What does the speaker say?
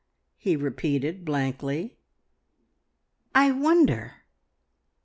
he repeated blankly; "I wonder!"